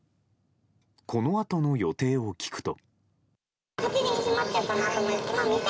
このあとの予定を聞くと。